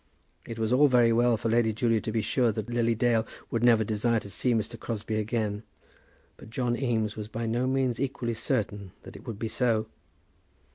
It was all very well for Lady Julia to be sure that Lily Dale would never desire to see Mr. Crosbie again; but John Eames was by no means equally certain that it would be so.